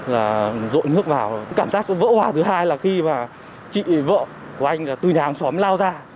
là rộn nước vào cái cảm giác vỡ họa thứ hai là khi mà chị vợ của anh là từ nhà hàng xóm lao ra